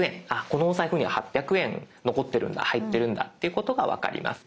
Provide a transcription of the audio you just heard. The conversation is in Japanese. このおサイフには８００円残ってるんだ入ってるんだっていうことが分かります。